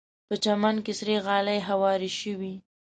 په چمن کې سرې غالۍ هوارې شوې.